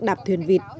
đạp thuyền vịt